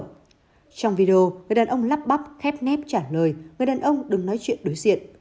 trong video người đàn ông lắp bắp khép nép trả lời người đàn ông đừng nói chuyện đối diện